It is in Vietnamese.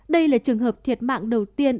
đây là trường hợp thiệt mạng đầu tiên